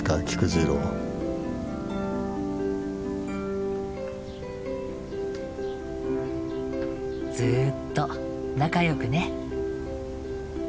ずっと仲よくね。